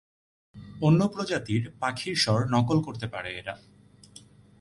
অন্য প্রজাতির পাখির স্বর নকল করতে পারে এরা।